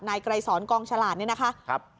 นายไกรศรกองฉลาดนี่นะคะครับ